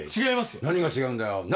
違いますよ！